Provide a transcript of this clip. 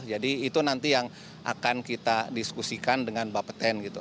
jadi itu nanti yang akan kita diskusikan dengan bapak ten gitu